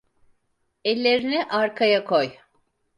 Ellerini arkana koy.